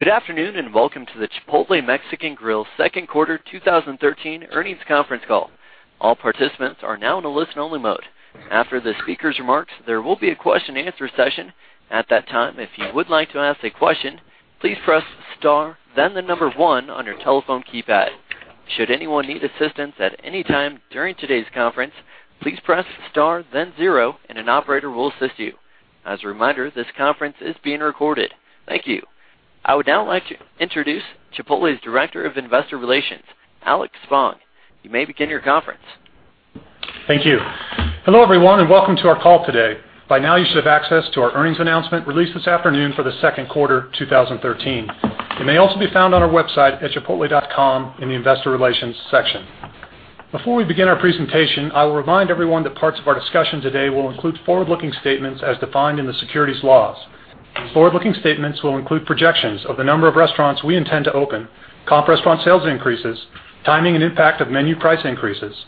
Good afternoon, and welcome to the Chipotle Mexican Grill second quarter 2013 earnings conference call. All participants are now in a listen-only mode. After the speaker's remarks, there will be a question and answer session. At that time, if you would like to ask a question, please press star then the number one on your telephone keypad. Should anyone need assistance at any time during today's conference, please press star then zero, and an operator will assist you. As a reminder, this conference is being recorded. Thank you. I would now like to introduce Chipotle's Director of Investor Relations, Alex Spong. You may begin your conference. Thank you. Hello, everyone, welcome to our call today. By now, you should have access to our earnings announcement released this afternoon for the second quarter 2013. It may also be found on our website at chipotle.com in the investor relations section. Before we begin our presentation, I will remind everyone that parts of our discussion today will include forward-looking statements as defined in the securities laws. Forward-looking statements will include projections of the number of restaurants we intend to open, comp restaurant sales increases, timing and impact of menu price increases,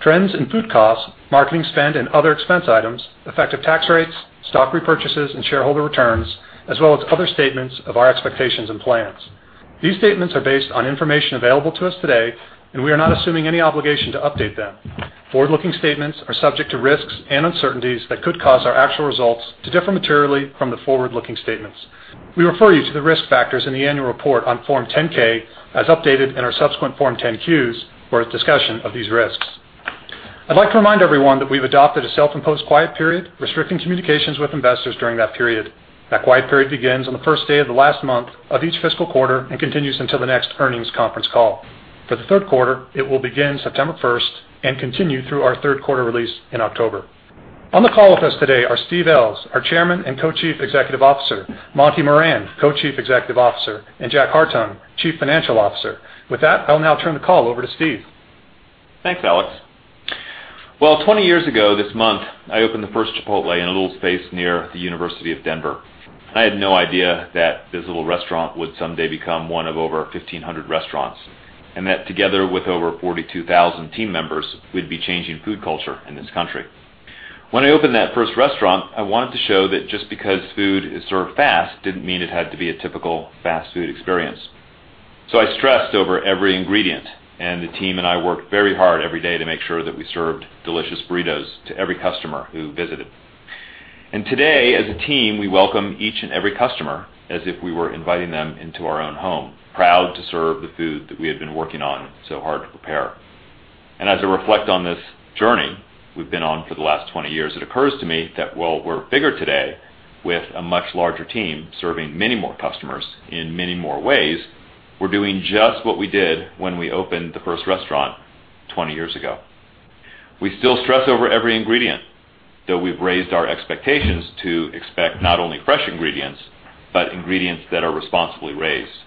trends in food costs, marketing spend, and other expense items, effective tax rates, stock repurchases, and shareholder returns, as well as other statements of our expectations and plans. These statements are based on information available to us today, we are not assuming any obligation to update them. Forward-looking statements are subject to risks and uncertainties that could cause our actual results to differ materially from the forward-looking statements. We refer you to the risk factors in the annual report on Form 10-K as updated in our subsequent Form 10-Qs for a discussion of these risks. I'd like to remind everyone that we've adopted a self-imposed quiet period restricting communications with investors during that period. That quiet period begins on the first day of the last month of each fiscal quarter and continues until the next earnings conference call. For the third quarter, it will begin September 1st and continue through our third quarter release in October. On the call with us today are Steve Ells, our Chairman and Co-Chief Executive Officer, Monty Moran, Co-Chief Executive Officer, and Jack Hartung, Chief Financial Officer. With that, I'll now turn the call over to Steve. Thanks, Alex. Well, 20 years ago this month, I opened the first Chipotle in a little space near the University of Denver. I had no idea that this little restaurant would someday become one of over 1,500 restaurants, and that together with over 42,000 team members, we'd be changing food culture in this country. When I opened that first restaurant, I wanted to show that just because food is served fast didn't mean it had to be a typical fast food experience. I stressed over every ingredient, the team and I worked very hard every day to make sure that we served delicious burritos to every customer who visited. Today, as a team, we welcome each and every customer as if we were inviting them into our own home, proud to serve the food that we had been working on so hard to prepare. As I reflect on this journey we've been on for the last 20 years, it occurs to me that while we're bigger today, with a much larger team serving many more customers in many more ways, we're doing just what we did when we opened the first restaurant 20 years ago. We still stress over every ingredient, though we've raised our expectations to expect not only fresh ingredients but ingredients that are responsibly raised.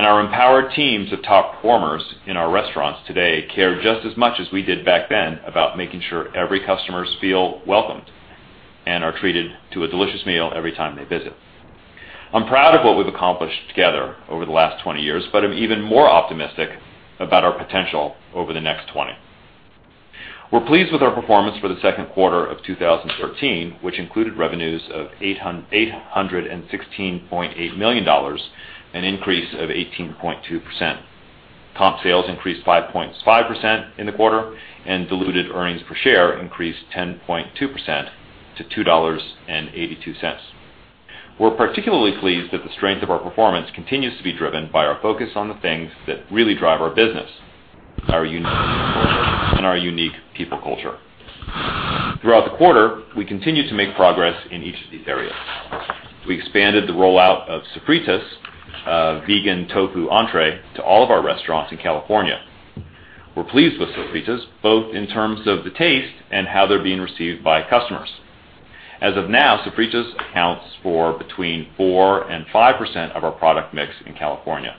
Our empowered teams of top performers in our restaurants today care just as much as we did back then about making sure every customers feel welcomed and are treated to a delicious meal every time they visit. I'm proud of what we've accomplished together over the last 20 years, but I'm even more optimistic about our potential over the next 20. We're pleased with our performance for the second quarter of 2013, which included revenues of $816.8 million, an increase of 18.2%. Comp sales increased 5.5% in the quarter, and diluted earnings per share increased 10.2% to $2.82. We're particularly pleased that the strength of our performance continues to be driven by our focus on the things that really drive our business, our unique culture and our unique people culture. Throughout the quarter, we continued to make progress in each of these areas. We expanded the rollout of Sofritas, a vegan tofu entrée, to all of our restaurants in California. We're pleased with Sofritas, both in terms of the taste and how they're being received by customers. As of now, Sofritas accounts for between 4% and 5% of our product mix in California.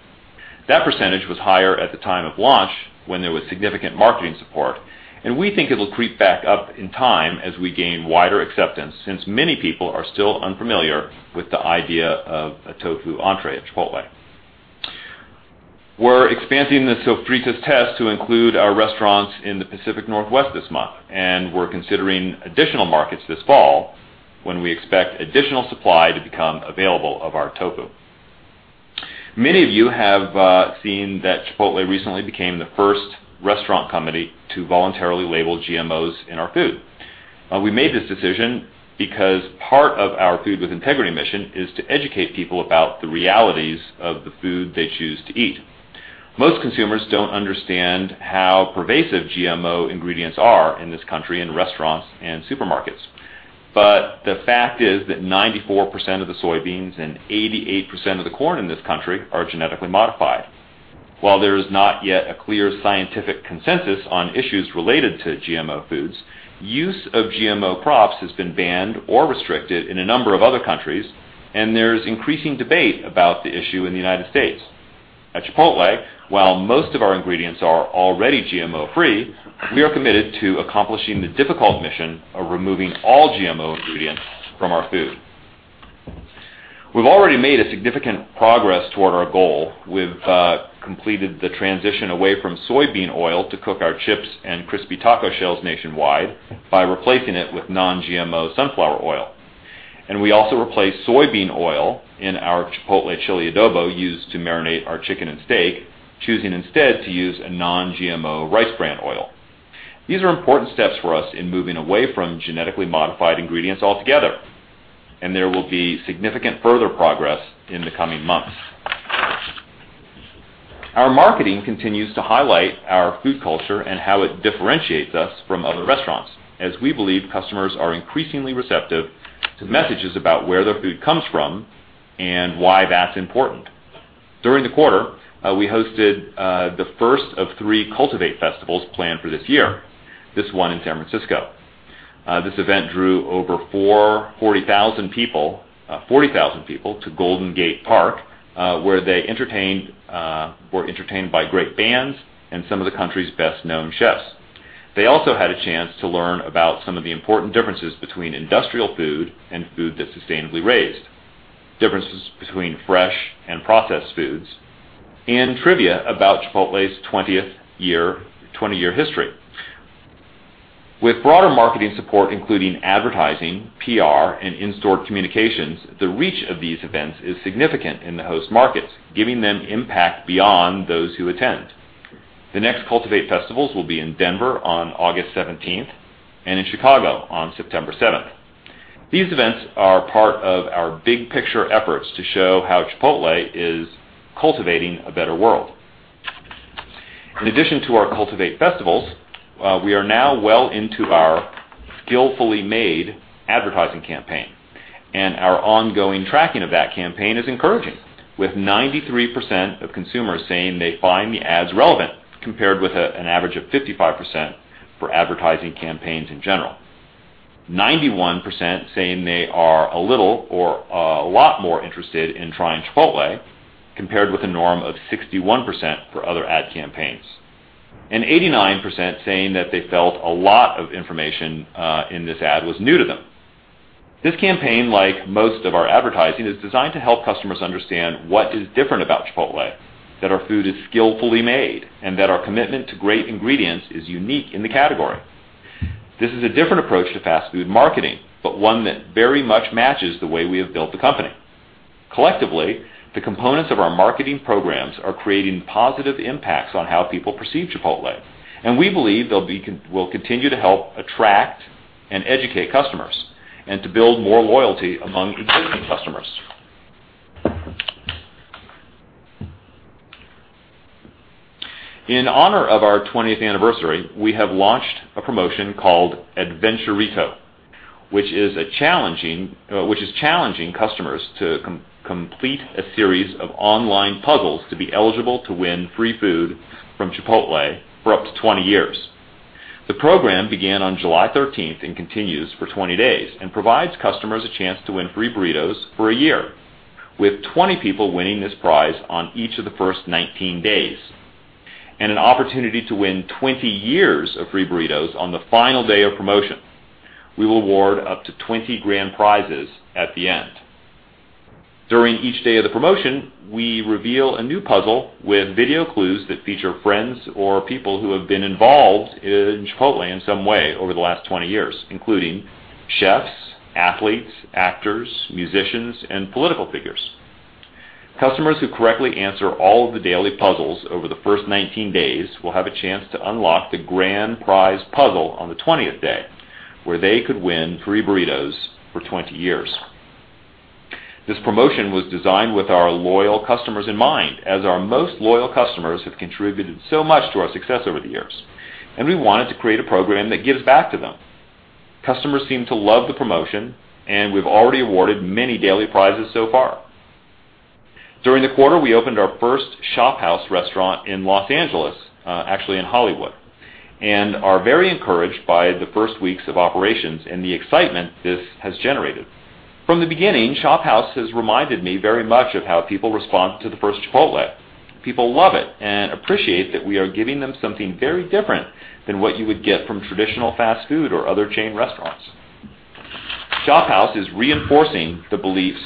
That percentage was higher at the time of launch when there was significant marketing support. We think it'll creep back up in time as we gain wider acceptance since many people are still unfamiliar with the idea of a tofu entrée at Chipotle. We're expanding the Sofritas test to include our restaurants in the Pacific Northwest this month. We're considering additional markets this fall when we expect additional supply to become available of our tofu. Many of you have seen that Chipotle recently became the first restaurant company to voluntarily label GMOs in our food. We made this decision because part of our Food with Integrity mission is to educate people about the realities of the food they choose to eat. Most consumers don't understand how pervasive GMO ingredients are in this country in restaurants and supermarkets. The fact is that 94% of the soybeans and 88% of the corn in this country are genetically modified. While there is not yet a clear scientific consensus on issues related to GMO foods, use of GMO crops has been banned or restricted in a number of other countries. There's increasing debate about the issue in the United States. At Chipotle, while most of our ingredients are already GMO-free, we are committed to accomplishing the difficult mission of removing all GMO ingredients from our food. We've already made significant progress toward our goal. We've completed the transition away from soybean oil to cook our chips and crispy taco shells nationwide by replacing it with non-GMO sunflower oil. We also replaced soybean oil in our chipotle adobo marinade used to marinate our chicken and steak, choosing instead to use a non-GMO rice bran oil. These are important steps for us in moving away from genetically modified ingredients altogether, and there will be significant further progress in the coming months. Our marketing continues to highlight our food culture and how it differentiates us from other restaurants, as we believe customers are increasingly receptive to messages about where their food comes from and why that's important. During the quarter, we hosted the first of three Cultivate festivals planned for this year, this one in San Francisco. This event drew over 40,000 people to Golden Gate Park, where they were entertained by great bands and some of the country's best-known chefs. They also had a chance to learn about some of the important differences between industrial food and food that's sustainably raised, differences between fresh and processed foods, and trivia about Chipotle's 20-year history. With broader marketing support, including advertising, PR, and in-store communications, the reach of these events is significant in the host markets, giving them impact beyond those who attend. The next Cultivate festivals will be in Denver on August 17th and in Chicago on September 7th. These events are part of our big-picture efforts to show how Chipotle is cultivating a better world. In addition to our Cultivate festivals, we are now well into our Skillfully Made advertising campaign, and our ongoing tracking of that campaign is encouraging, with 93% of consumers saying they find the ads relevant, compared with an average of 55% for advertising campaigns in general. 91% saying they are a little or a lot more interested in trying Chipotle, compared with a norm of 61% for other ad campaigns. 89% saying that they felt a lot of information in this ad was new to them. This campaign, like most of our advertising, is designed to help customers understand what is different about Chipotle, that our food is skillfully made, and that our commitment to great ingredients is unique in the category. This is a different approach to fast food marketing, but one that very much matches the way we have built the company. Collectively, the components of our marketing programs are creating positive impacts on how people perceive Chipotle, and we believe they'll continue to help attract and educate customers and to build more loyalty among existing customers. In honor of our 20th anniversary, we have launched a promotion called Adventurrito, which is challenging customers to complete a series of online puzzles to be eligible to win free food from Chipotle for up to 20 years. The program began on July 13th and continues for 20 days and provides customers a chance to win free burritos for a year, with 20 people winning this prize on each of the first 19 days, and an opportunity to win 20 years of free burritos on the final day of promotion. We will award up to 20 grand prizes at the end. During each day of the promotion, we reveal a new puzzle with video clues that feature friends or people who have been involved in Chipotle in some way over the last 20 years, including chefs, athletes, actors, musicians, and political figures. Customers who correctly answer all of the daily puzzles over the first 19 days will have a chance to unlock the grand prize puzzle on the 20th day, where they could win free burritos for 20 years. This promotion was designed with our loyal customers in mind, as our most loyal customers have contributed so much to our success over the years. We wanted to create a program that gives back to them. Customers seem to love the promotion. We've already awarded many daily prizes so far. During the quarter, we opened our first ShopHouse restaurant in Los Angeles, actually in Hollywood, and are very encouraged by the first weeks of operations and the excitement this has generated. From the beginning, ShopHouse has reminded me very much of how people respond to the first Chipotle. People love it and appreciate that we are giving them something very different than what you would get from traditional fast food or other chain restaurants. ShopHouse is reinforcing the beliefs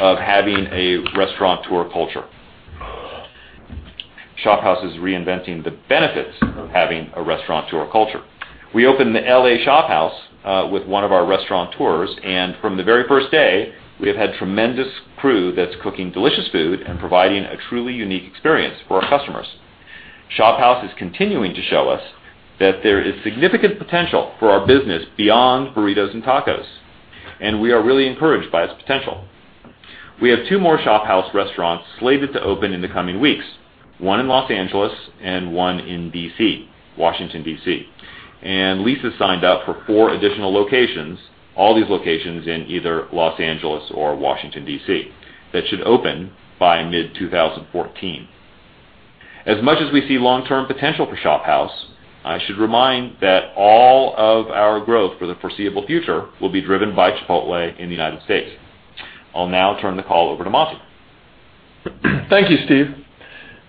of having a Restaurateur culture. ShopHouse is reinventing the benefits of having a Restaurateur culture. We opened the L.A. ShopHouse with one of our Restaurateurs. From the very first day, we have had tremendous crew that's cooking delicious food and providing a truly unique experience for our customers. ShopHouse is continuing to show us that there is significant potential for our business beyond burritos and tacos. We are really encouraged by its potential. We have 2 more ShopHouse restaurants slated to open in the coming weeks, one in Los Angeles and one in Washington, D.C. Lease is signed up for 4 additional locations, all these locations in either Los Angeles or Washington, D.C., that should open by mid-2014. As much as we see long-term potential for ShopHouse, I should remind that all of our growth for the foreseeable future will be driven by Chipotle in the United States. I'll now turn the call over to Monty. Thank you, Steve.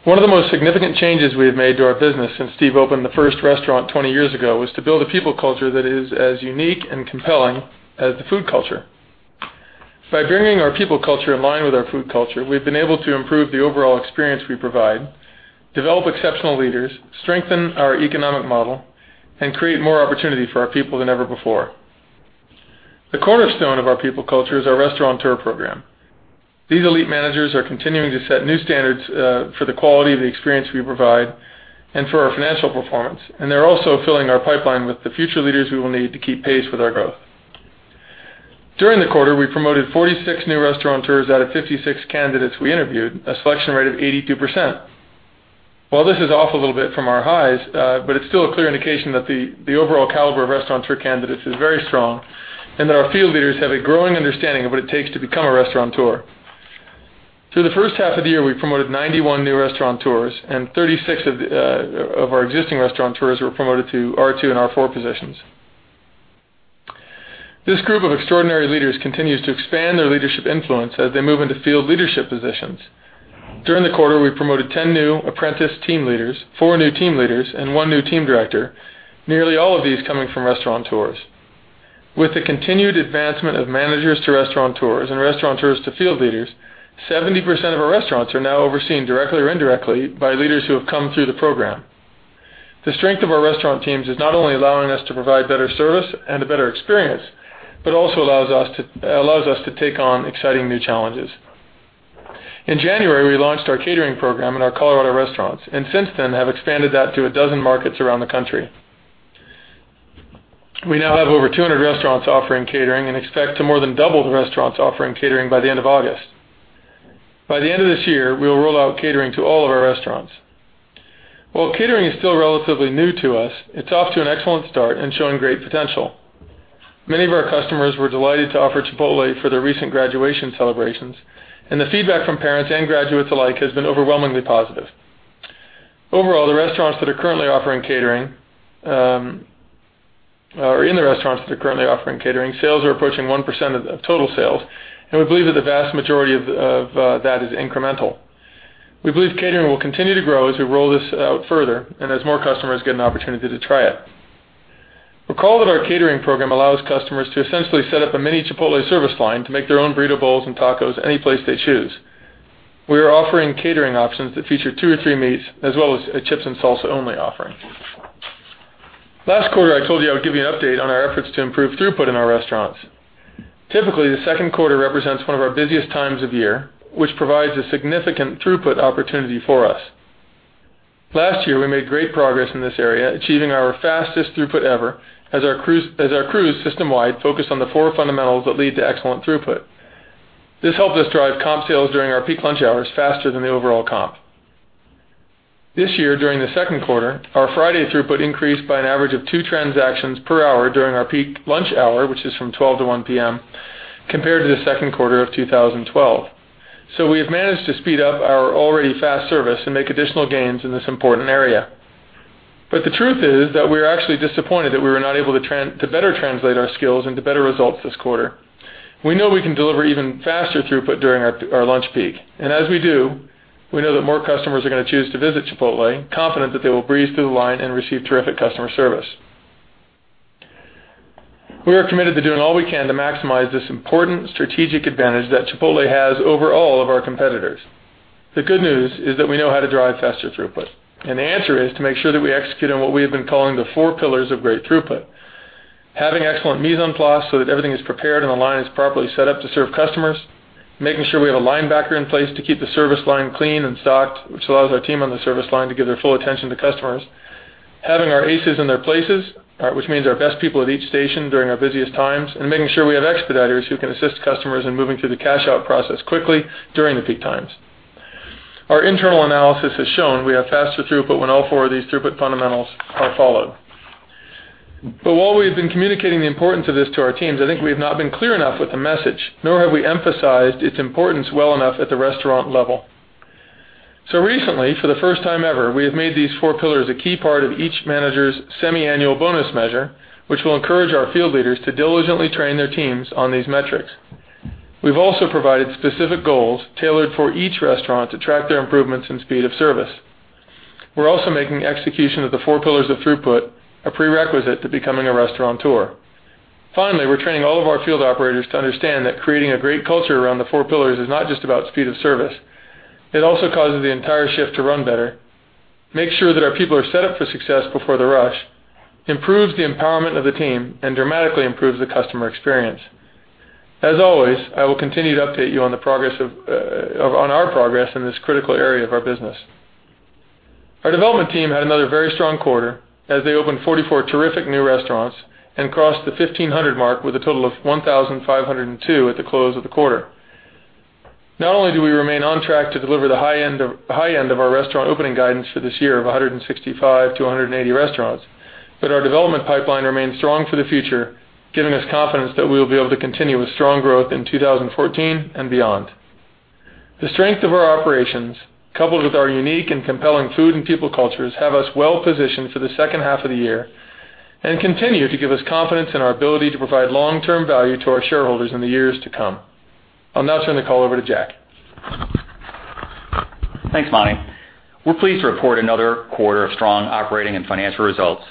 One of the most significant changes we have made to our business since Steve opened the first restaurant 20 years ago was to build a people culture that is as unique and compelling as the food culture. By bringing our people culture in line with our food culture, we've been able to improve the overall experience we provide, develop exceptional leaders, strengthen our economic model, and create more opportunity for our people than ever before. The cornerstone of our people culture is our Restaurateur Program. These elite managers are continuing to set new standards for the quality of the experience we provide and for our financial performance. They're also filling our pipeline with the future leaders we will need to keep pace with our growth. During the quarter, we promoted 46 new Restaurateurs out of 56 candidates we interviewed, a selection rate of 82%. While this is off a little bit from our highs, it's still a clear indication that the overall caliber of Restaurateur candidates is very strong, and that our field leaders have a growing understanding of what it takes to become a Restaurateur. Through the first half of the year, we promoted 91 new Restaurateurs. 36 of our existing Restaurateurs were promoted to R2 and R4 positions. This group of extraordinary leaders continues to expand their leadership influence as they move into field leadership positions. During the quarter, we promoted 10 new apprentice team leaders, four new team leaders, and one new team director, nearly all of these coming from Restaurateurs. With the continued advancement of managers to Restaurateurs and Restaurateurs to field leaders, 70% of our restaurants are now overseen directly or indirectly by leaders who have come through the program. The strength of our restaurant teams is not only allowing us to provide better service and a better experience, but also allows us to take on exciting new challenges. In January, we launched our catering program in our Colorado restaurants, and since then have expanded that to a dozen markets around the country. We now have over 200 restaurants offering catering and expect to more than double the restaurants offering catering by the end of August. By the end of this year, we will roll out catering to all of our restaurants. While catering is still relatively new to us, it's off to an excellent start and showing great potential. Many of our customers were delighted to offer Chipotle for their recent graduation celebrations, and the feedback from parents and graduates alike has been overwhelmingly positive. Overall, in the restaurants that are currently offering catering, sales are approaching 1% of total sales, and we believe that the vast majority of that is incremental. We believe catering will continue to grow as we roll this out further, as more customers get an opportunity to try it. Recall that our catering program allows customers to essentially set up a mini Chipotle service line to make their own burrito bowls and tacos any place they choose. We are offering catering options that feature two or three meats, as well as a chips and salsa only offering. Last quarter, I told you I would give you an update on our efforts to improve throughput in our restaurants. Typically, the second quarter represents one of our busiest times of year, which provides a significant throughput opportunity for us. Last year, we made great progress in this area, achieving our fastest throughput ever, as our crews system wide focused on the four fundamentals that lead to excellent throughput. This helped us drive comp sales during our peak lunch hours faster than the overall comp. This year, during the second quarter, our Friday throughput increased by an average of two transactions per hour during our peak lunch hour, which is from 12 to 1:00 P.M., compared to the second quarter of 2012. We have managed to speed up our already fast service and make additional gains in this important area. The truth is that we're actually disappointed that we were not able to better translate our skills into better results this quarter. We know we can deliver even faster throughput during our lunch peak. As we do, we know that more customers are going to choose to visit Chipotle, confident that they will breeze through the line and receive terrific customer service. We are committed to doing all we can to maximize this important strategic advantage that Chipotle has over all of our competitors. The good news is that we know how to drive faster throughput. The answer is to make sure that we execute on what we have been calling the four pillars of great throughput. Having excellent mise en place so that everything is prepared and the line is properly set up to serve customers. Making sure we have a linebacker in place to keep the service line clean and stocked, which allows our team on the service line to give their full attention to customers. Having our aces in their places, which means our best people at each station during our busiest times, and making sure we have expediters who can assist customers in moving through the cash out process quickly during the peak times. Our internal analysis has shown we have faster throughput when all four of these throughput fundamentals are followed. While we have been communicating the importance of this to our teams, I think we have not been clear enough with the message, nor have we emphasized its importance well enough at the restaurant level. Recently, for the first time ever, we have made these four pillars a key part of each manager's semi-annual bonus measure, which will encourage our field leaders to diligently train their teams on these metrics. We've also provided specific goals tailored for each restaurant to track their improvements in speed of service. We're also making execution of the four pillars of throughput a prerequisite to becoming a Restaurateur. Finally, we're training all of our field operators to understand that creating a great culture around the four pillars is not just about speed of service. It also causes the entire shift to run better, makes sure that our people are set up for success before the rush, improves the empowerment of the team, and dramatically improves the customer experience. As always, I will continue to update you on our progress in this critical area of our business. Our development team had another very strong quarter, as they opened 44 terrific new restaurants and crossed the 1,500 mark with a total of 1,502 at the close of the quarter. Not only do we remain on track to deliver the high end of our restaurant opening guidance for this year of 165 to 180 restaurants, our development pipeline remains strong for the future, giving us confidence that we will be able to continue with strong growth in 2014 and beyond. The strength of our operations, coupled with our unique and compelling food and people cultures, have us well-positioned for the second half of the year and continue to give us confidence in our ability to provide long-term value to our shareholders in the years to come. I'll now turn the call over to Jack. Thanks, Monty. We're pleased to report another quarter of strong operating and financial results.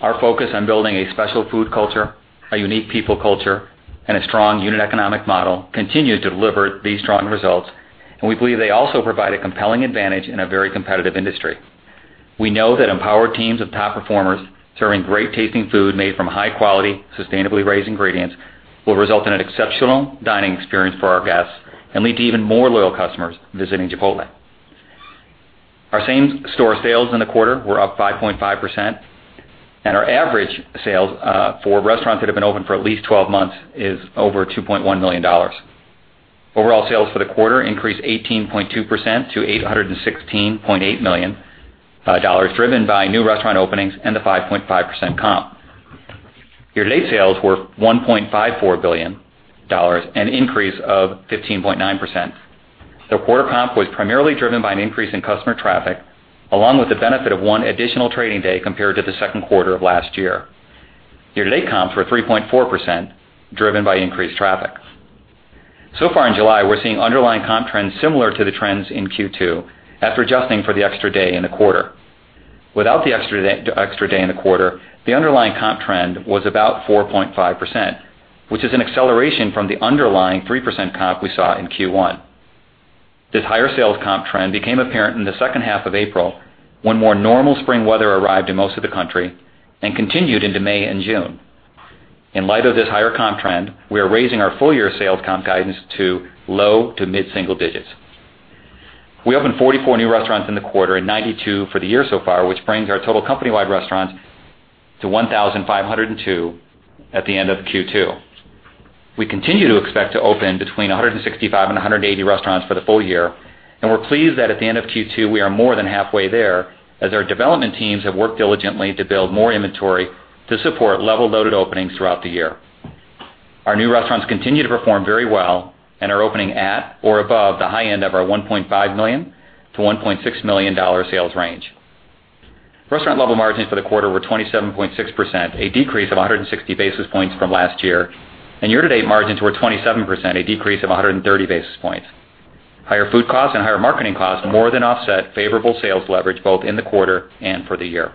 Our focus on building a special food culture, a unique people culture, and a strong unit economic model continue to deliver these strong results, and we believe they also provide a compelling advantage in a very competitive industry. We know that empowered teams of top performers serving great-tasting food made from high-quality, sustainably raised ingredients will result in an exceptional dining experience for our guests and lead to even more loyal customers visiting Chipotle. Our same-store sales in the quarter were up 5.5%, and our average sales for restaurants that have been open for at least 12 months is over $2.1 million. Overall sales for the quarter increased 18.2% to $816.8 million, driven by new restaurant openings and the 5.5% comp. Year-to-date sales were $1.54 billion, an increase of 15.9%. The quarter comp was primarily driven by an increase in customer traffic, along with the benefit of one additional trading day compared to the second quarter of last year. Year-to-date comps were 3.4%, driven by increased traffic. So far in July, we're seeing underlying comp trends similar to the trends in Q2 after adjusting for the extra day in the quarter. Without the extra day in the quarter, the underlying comp trend was about 4.5%, which is an acceleration from the underlying 3% comp we saw in Q1. This higher sales comp trend became apparent in the second half of April, when more normal spring weather arrived in most of the country, and continued into May and June. In light of this higher comp trend, we are raising our full-year sales comp guidance to low to mid-single digits. We opened 44 new restaurants in the quarter and 92 for the year so far, which brings our total company-wide restaurants to 1,502 at the end of Q2. We continue to expect to open between 165 and 180 restaurants for the full year, and we're pleased that at the end of Q2, we are more than halfway there, as our development teams have worked diligently to build more inventory to support level-loaded openings throughout the year. Our new restaurants continue to perform very well and are opening at or above the high end of our $1.5 million-$1.6 million sales range. Restaurant-level margins for the quarter were 27.6%, a decrease of 160 basis points from last year, and year-to-date margins were 27%, a decrease of 130 basis points. Higher food costs and higher marketing costs more than offset favorable sales leverage both in the quarter and for the year.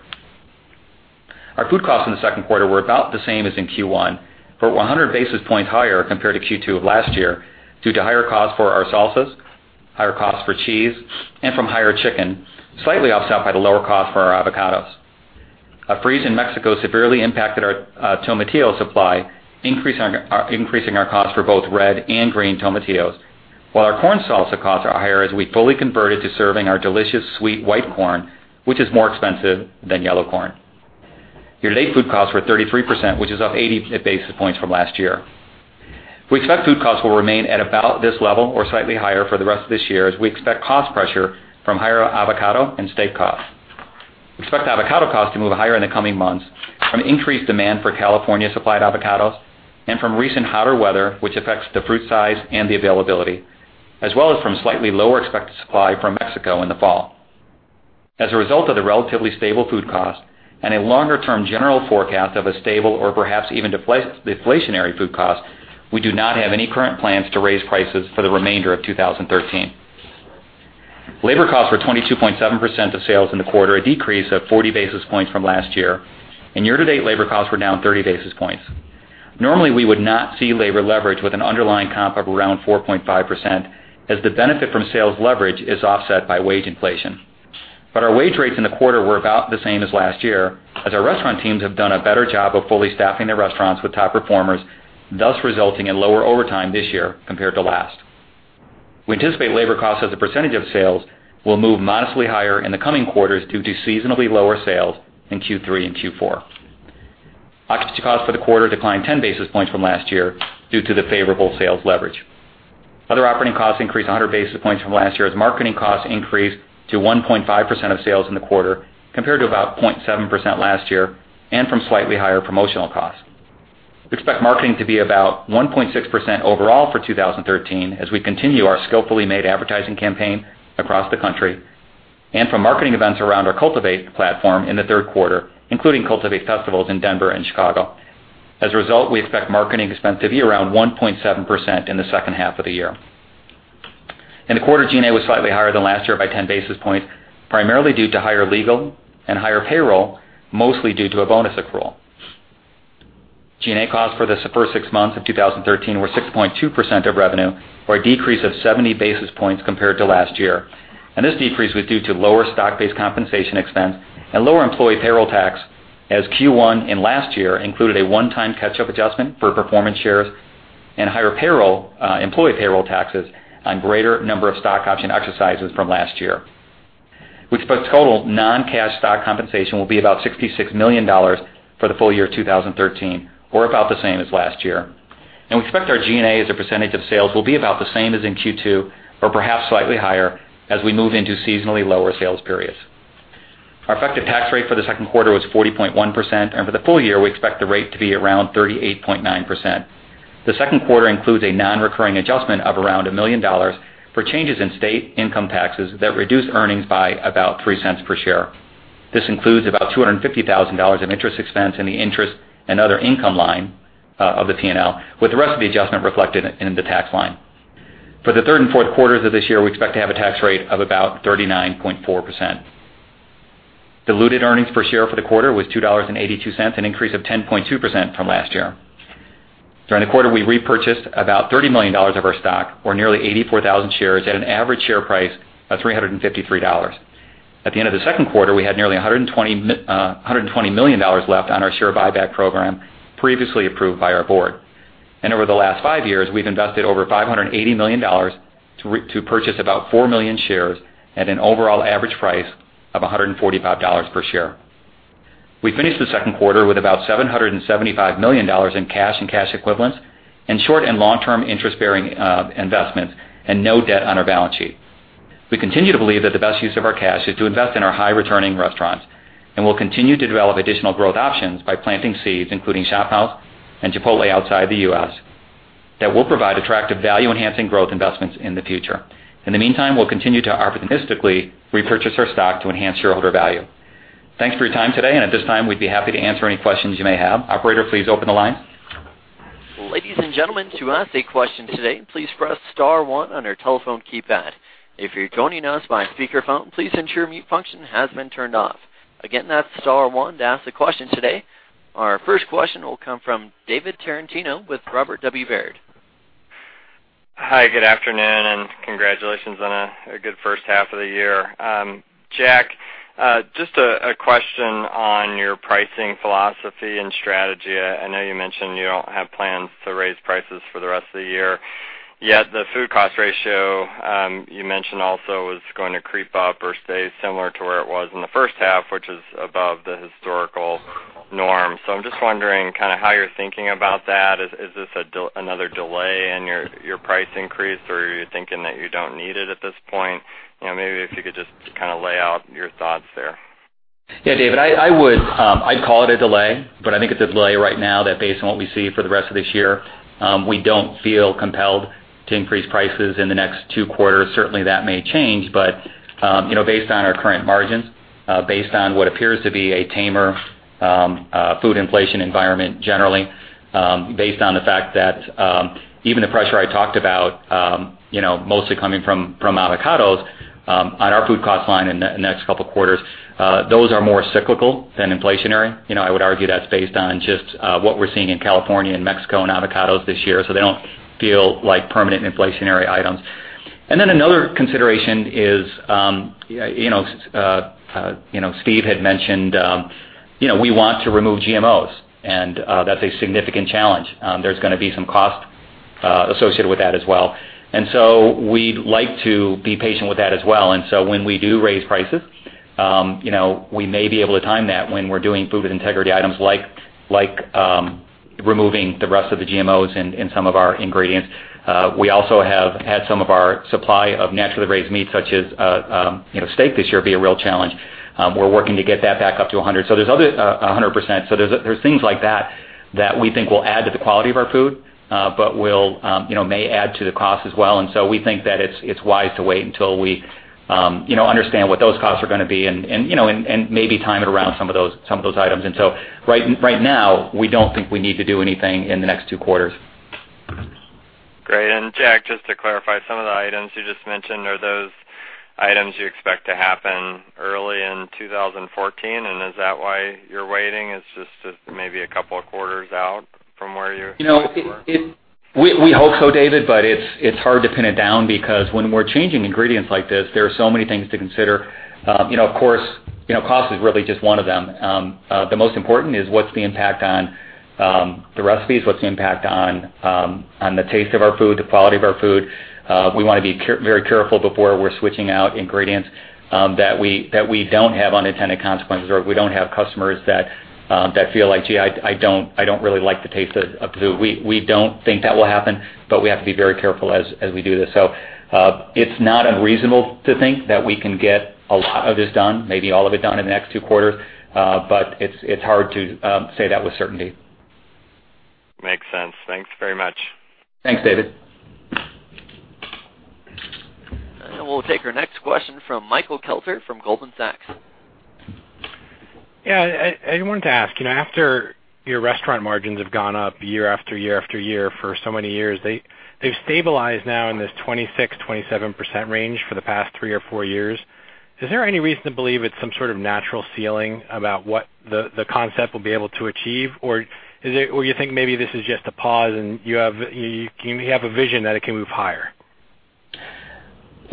Our food costs in the second quarter were about the same as in Q1, but 100 basis points higher compared to Q2 of last year due to higher costs for our salsas, higher costs for cheese, and from higher chicken, slightly offset by the lower cost for our avocados. A freeze in Mexico severely impacted our tomatillo supply, increasing our cost for both red and green tomatillos, while our corn salsa costs are higher as we fully converted to serving our delicious sweet white corn, which is more expensive than yellow corn. Year-to-date food costs were 33%, which is up 80 basis points from last last year. We expect food costs will remain at about this level or slightly higher for the rest of this year, as we expect cost pressure from higher avocado and steak costs. We expect avocado costs to move higher in the coming months from increased demand for California-supplied avocados and from recent hotter weather, which affects the fruit size and the availability, as well as from slightly lower expected supply from Mexico in the fall. As a result of the relatively stable food cost and a longer-term general forecast of a stable or perhaps even deflationary food cost, we do not have any current plans to raise prices for the remainder of 2013. Labor costs were 22.7% of sales in the quarter, a decrease of 40 basis points from last year. Year-to-date labor costs were down 30 basis points. Normally, we would not see labor leverage with an underlying comp of around 4.5%, as the benefit from sales leverage is offset by wage inflation. Our wage rates in the quarter were about the same as last year, as our restaurant teams have done a better job of fully staffing their restaurants with top performers, thus resulting in lower overtime this year compared to last. We anticipate labor costs as a percentage of sales will move modestly higher in the coming quarters due to seasonally lower sales in Q3 and Q4. Occupancy costs for the quarter declined 10 basis points from last year due to the favorable sales leverage. Other operating costs increased 100 basis points from last year as marketing costs increased to 1.5% of sales in the quarter, compared to about 0.7% last year, and from slightly higher promotional costs. We expect marketing to be about 1.6% overall for 2013 as we continue our Skillfully Made advertising campaign across the country and from marketing events around our Cultivate platform in the third quarter, including Cultivate festivals in Denver and Chicago. As a result, we expect marketing expense to be around 1.7% in the second half of the year. In the quarter, G&A was slightly higher than last year by 10 basis points, primarily due to higher legal and higher payroll, mostly due to a bonus accrual. G&A costs for the first six months of 2013 were 6.2% of revenue, or a decrease of 70 basis points compared to last year. This decrease was due to lower stock-based compensation expense and lower employee payroll tax, as Q1 in last year included a one-time catch-up adjustment for performance shares and higher employee payroll taxes on greater number of stock option exercises from last year, which both total non-cash stock compensation will be about $66 million for the full year 2013, or about the same as last year. We expect our G&A as a percentage of sales will be about the same as in Q2, or perhaps slightly higher, as we move into seasonally lower sales periods. Our effective tax rate for the second quarter was 40.1%, and for the full year, we expect the rate to be around 38.9%. The second quarter includes a non-recurring adjustment of around $1 million for changes in state income taxes that reduced earnings by about $0.03 per share. This includes about $250,000 in interest expense in the interest and other income line of the P&L, with the rest of the adjustment reflected in the tax line. For the third and fourth quarters of this year, we expect to have a tax rate of about 39.4%. Diluted earnings per share for the quarter was $2.82, an increase of 10.2% from last year. During the quarter, we repurchased about $30 million of our stock, or nearly 84,000 shares at an average share price of $353. At the end of the second quarter, we had nearly $120 million left on our share buyback program, previously approved by our board. Over the last five years, we've invested over $580 million to purchase about 4 million shares at an overall average price of $145 per share. We finished the second quarter with about $775 million in cash and cash equivalents, in short and long-term interest-bearing investments, and no debt on our balance sheet. We continue to believe that the best use of our cash is to invest in our high-returning restaurants. We'll continue to develop additional growth options by planting seeds, including ShopHouse and Chipotle outside the U.S., that will provide attractive value-enhancing growth investments in the future. In the meantime, we'll continue to opportunistically repurchase our stock to enhance shareholder value. Thanks for your time today. At this time, we'd be happy to answer any questions you may have. Operator, please open the line. Ladies and gentlemen, to ask a question today, please press *1 on your telephone keypad. If you're joining us by speakerphone, please ensure mute function has been turned off. Again, that's *1 to ask a question today. Our first question will come from David Tarantino with Robert W. Baird. Hi, good afternoon, congratulations on a good first half of the year. Jack, just a question on your pricing philosophy and strategy. I know you mentioned you don't have plans to raise prices for the rest of the year, yet the food cost ratio you mentioned also is going to creep up or stay similar to where it was in the first half, which is above the historical norm. I'm just wondering how you're thinking about that. Is this another delay in your price increase, or are you thinking that you don't need it at this point? Maybe if you could just lay out your thoughts there. David, I'd call it a delay, I think it's a delay right now that based on what we see for the rest of this year, we don't feel compelled to increase prices in the next 2 quarters. Certainly, that may change. Based on our current margins, based on what appears to be a tamer food inflation environment generally, based on the fact that even the pressure I talked about mostly coming from avocados on our food cost line in the next couple of quarters, those are more cyclical than inflationary. I would argue that's based on just what we're seeing in California and Mexico on avocados this year, so they don't feel like permanent inflationary items. Then another consideration is, Steve had mentioned we want to remove GMOs, and that's a significant challenge. There's going to be some cost associated with that as well. We'd like to be patient with that as well. When we do raise prices, we may be able to time that when we're doing Food with Integrity items like removing the rest of the GMOs in some of our ingredients. We also have had some of our supply of naturally raised meat, such as steak this year, be a real challenge. We're working to get that back up to 100%. There's things like that that we think will add to the quality of our food, but may add to the cost as well. We think that it's wise to wait until we understand what those costs are going to be, and maybe time it around some of those items. Right now, we don't think we need to do anything in the next two quarters. Great. Jack, just to clarify, some of the items you just mentioned, are those items you expect to happen early in 2014? Is that why you're waiting? It's just maybe a couple of quarters out from where you were? We hope so, David, but it's hard to pin it down because when we're changing ingredients like this, there are so many things to consider. Of course, cost is really just one of them. The most important is what's the impact on the recipes, what's the impact on the taste of our food, the quality of our food. We want to be very careful before we're switching out ingredients that we don't have unintended consequences, or we don't have customers that feel like, "Gee, I don't really like the taste of the food." We don't think that will happen, but we have to be very careful as we do this. It's not unreasonable to think that we can get a lot of this done, maybe all of it done in the next two quarters. It's hard to say that with certainty. Makes sense. Thanks very much. Thanks, David. We'll take our next question from Michael Kelter from Goldman Sachs. Yeah, I wanted to ask, after your restaurant margins have gone up year after year after year for so many years, they've stabilized now in this 26%-27% range for the past three or four years. Is there any reason to believe it's some sort of natural ceiling about what the concept will be able to achieve? Or you think maybe this is just a pause, and you have a vision that it can move higher?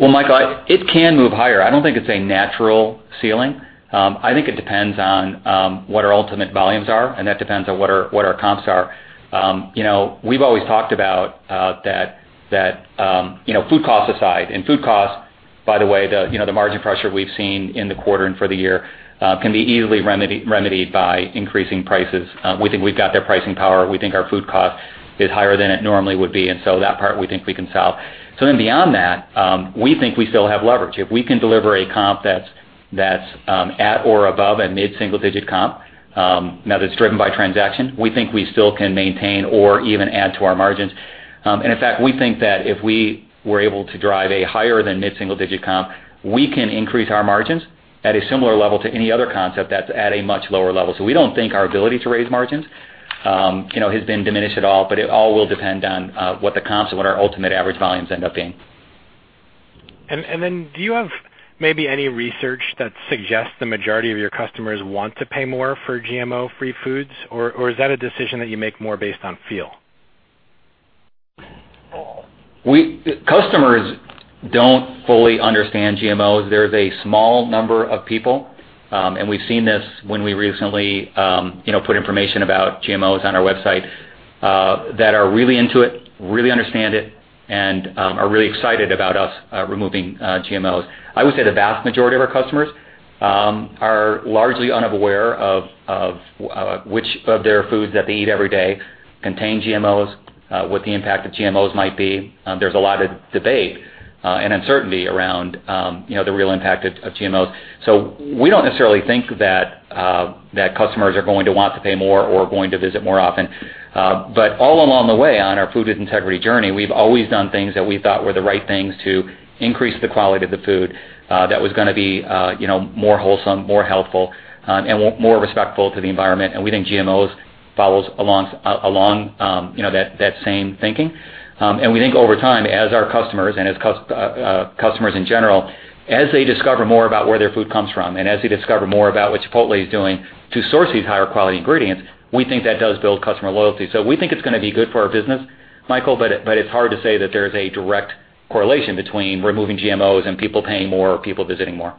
Well, Michael, it can move higher. I don't think it's a natural ceiling. I think it depends on what our ultimate volumes are, and that depends on what our comps are. We've always talked about that food cost aside, and food cost, by the way, the margin pressure we've seen in the quarter and for the year can be easily remedied by increasing prices. We think we've got their pricing power. We think our food cost is higher than it normally would be, and so that part we think we can solve. Beyond that, we think we still have leverage. If we can deliver a comp that's at or above a mid-single digit comp, now that's driven by transaction, we think we still can maintain or even add to our margins. In fact, we think that if we were able to drive a higher than mid-single-digit comp, we can increase our margins at a similar level to any other concept that's at a much lower level. We don't think our ability to raise margins has been diminished at all. It all will depend on what the comps and what our ultimate average volumes end up being. Do you have maybe any research that suggests the majority of your customers want to pay more for GMO-free foods? Is that a decision that you make more based on feel? Customers don't fully understand GMOs. There's a small number of people, and we've seen this when we recently put information about GMOs on our website, that are really into it, really understand it, and are really excited about us removing GMOs. I would say the vast majority of our customers are largely unaware of which of their foods that they eat every day contain GMOs, what the impact of GMOs might be. There's a lot of debate and uncertainty around the real impact of GMOs. We don't necessarily think that customers are going to want to pay more or going to visit more often. All along the way on our Food with Integrity journey, we've always done things that we thought were the right things to increase the quality of the food that was going to be more wholesome, more healthful, and more respectful to the environment. We think GMOs follows along that same thinking. We think over time, as our customers and as customers in general, as they discover more about where their food comes from, and as they discover more about what Chipotle is doing to source these higher-quality ingredients, we think that does build customer loyalty. We think it's going to be good for our business, Michael, it's hard to say that there's a direct correlation between removing GMOs and people paying more or people visiting more.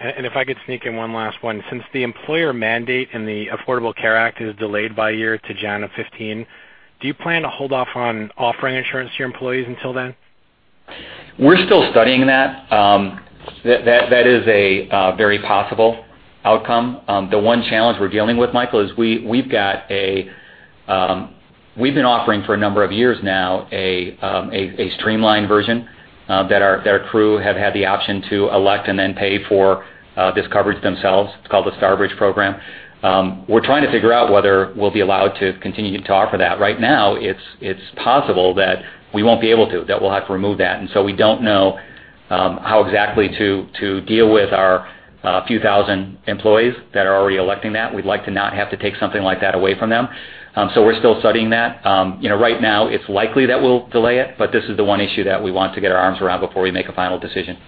If I could sneak in one last one. Since the employer mandate and the Affordable Care Act is delayed by a year to January of 2015, do you plan to hold off on offering insurance to your employees until then? We're still studying that. That is a very possible outcome. The one challenge we're dealing with, Michael, is we've been offering for a number of years now a streamlined version that our crew have had the option to elect and then pay for this coverage themselves. It's called the Strive program. We're trying to figure out whether we'll be allowed to continue to offer that. Right now, it's possible that we won't be able to, that we'll have to remove that. We don't know how exactly to deal with our few thousand employees that are already electing that. We'd like to not have to take something like that away from them. We're still studying that. Right now it's likely that we'll delay it, but this is the one issue that we want to get our arms around before we make a final decision.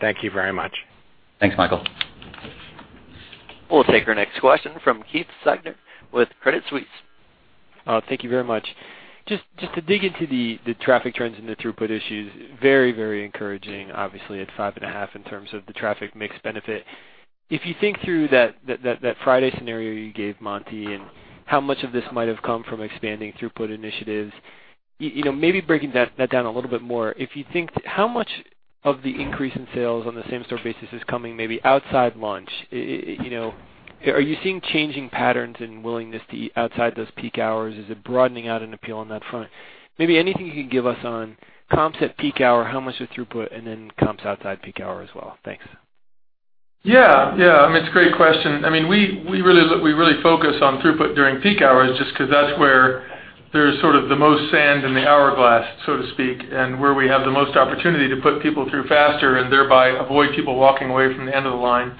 Thank you very much. Thanks, Michael. We'll take our next question from Keith Siegner with Credit Suisse. Thank you very much. Just to dig into the traffic trends and the throughput issues, very encouraging, obviously at 5.5 in terms of the traffic mix benefit. If you think through that Friday scenario you gave, Monty, how much of this might have come from expanding throughput initiatives, maybe breaking that down a little bit more, how much of the increase in sales on the same-store basis is coming maybe outside lunch? Are you seeing changing patterns and willingness to eat outside those peak hours? Is it broadening out an appeal on that front? Maybe anything you can give us on comps at peak hour, how much is throughput, and then comps outside peak hour as well. Thanks. Yeah. It's a great question. We really focus on throughput during peak hours just because that's where there's sort of the most sand in the hourglass, so to speak, where we have the most opportunity to put people through faster and thereby avoid people walking away from the end of the line.